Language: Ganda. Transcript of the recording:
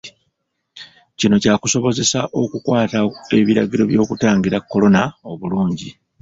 Kino kyakusobozesa okukwata ebiragiro by'okutangira Kolona obulungi.